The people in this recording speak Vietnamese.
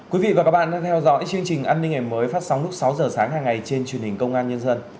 quý vị và các bạn đang theo dõi chương trình an ninh ngày mới phát sóng lúc sáu giờ sáng hàng ngày trên truyền hình công an nhân dân